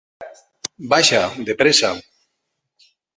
Baixa, de pressa!